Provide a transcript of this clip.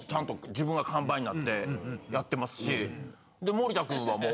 森田君はもう。